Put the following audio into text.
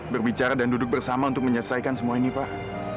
berbicara dan duduk bersama untuk menyelesaikan semua ini pak